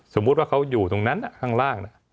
สมมุติว่าเขาอยู่ตรงนั้นข้างล่าง